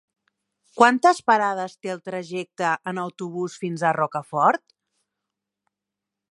Quantes parades té el trajecte en autobús fins a Rocafort?